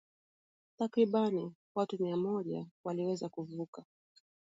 Takriban watu mia moja waliweza kuvuka